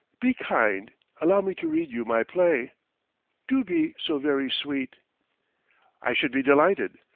. Be kind, allow me to read you my play .... Do be so very sweet!" "I should be delighted